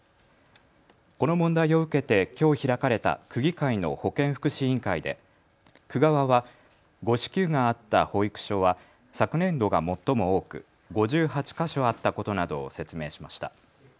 この問題を受けてきょう開かれた区議会の保健福祉委員会で区側は誤支給があった保育所は昨年度が最も多く５８か所あったことなどを説明しました。